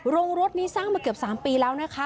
โรงรถนี้สร้างมาเกือบ๓ปีแล้วนะคะ